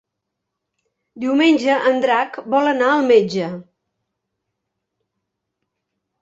Diumenge en Drac vol anar al metge.